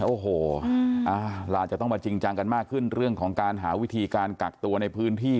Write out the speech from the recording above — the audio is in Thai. โอ้โหเราอาจจะต้องมาจริงจังกันมากขึ้นเรื่องของการหาวิธีการกักตัวในพื้นที่